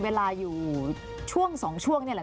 เวลาอยู่ช่วงสองช่วง